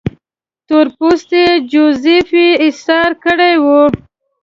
تور پوستی جوزیف یې ایسار کړی وو.